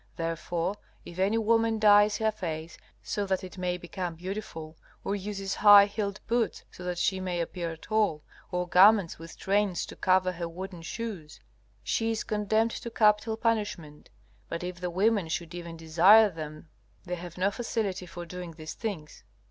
Therefore, if any woman dyes her face, so that it may become beautiful, or uses high heeled boots so that she may appear tall, or garments with trains to cover her wooden shoes, she is condemned to capital punishment. But if the women should even desire them they have no facility for doing these things.